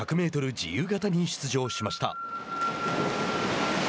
自由形に出場しました。